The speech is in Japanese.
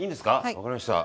分かりました。